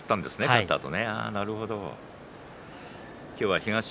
勝ったあと。